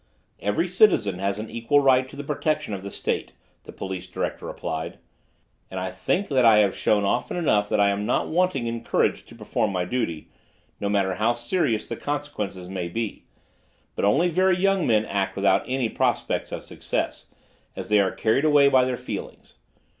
"Every citizen has an equal right to the protection of the State," the police director replied; "and I think that I have shown often enough that I am not wanting in courage to perform my duty, no matter how serious the consequences may be; but only very young men act without any prospects of success, as they are carried away by their feelings.